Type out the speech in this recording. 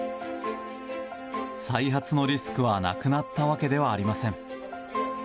再発のリスクはなくなったわけではありません。